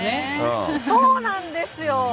そうなんですよ。